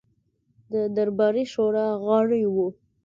د درباري شورا غړی وو.